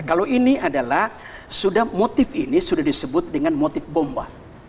kalau ini adalah sudah motif ini sudah disebut dengan motif bomba